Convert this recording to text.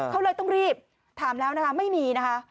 เขาเลยต้องรีบถามแล้วนะคะไม่มีนะคะ